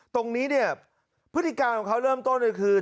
ตรงนี้เนี่ยพฤติการของเขาเริ่มต้นเลยคือ